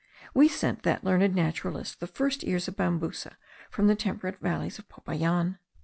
We sent that learned naturalist the first ears of Bambusa from the temperate valleys of Popayan.